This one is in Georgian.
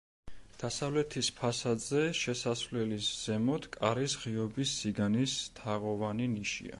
დასავლეთის ფასადზე, შესასვლელის ზემოთ კარის ღიობის სიგანის თაღოვანი ნიშია.